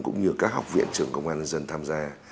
cũng như các học viện trường công an nhân dân tham gia